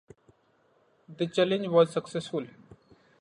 The challenge was successful.